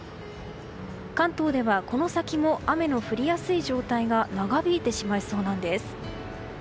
関東ではこの先も雨の降りやすい状態が長引いてしまいそうなんです。